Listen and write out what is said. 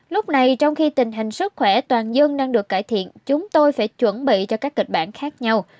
lúc này trong khi tình hình sức khỏe toàn dân đang được cải thiện chúng tôi phải chuẩn bị cho các kịch bản khác nhau